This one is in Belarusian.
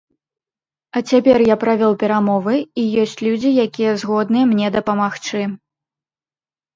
А цяпер я правёў перамовы і ёсць людзі, якія згодныя мне дапамагчы.